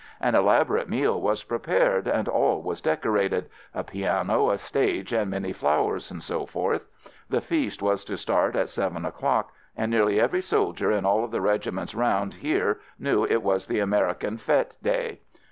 An elaborate meal was prepared and all was decorated — a piano, a stage, and many flowers, etc. The feast was to start at seven o'clock, and nearly every soldier in all of the regiments round here knew it was the American Fete Day.